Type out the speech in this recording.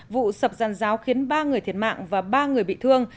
vụ sập giàn giáo khiến ba người thiệt mạng và ba người bị thương